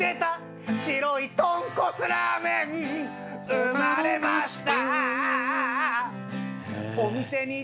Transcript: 「生まれました」